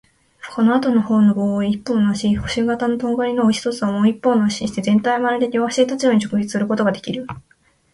このあとのほうの棒を一方の足、星形のとがりの一つをもう一方の足にして、全体はまるで両足で立つように直立することができる。